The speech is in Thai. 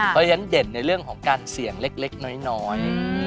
เพราะฉะนั้นเด่นในเรื่องของการเสี่ยงเล็กน้อย